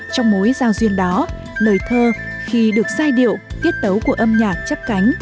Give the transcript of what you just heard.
trong mối giao duyên đó lời thơ khi được giai điệu tiết tấu của âm nhạc chấp cánh